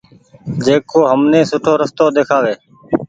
جڪو همني سوُٺو رستو ۮيکآوي ۔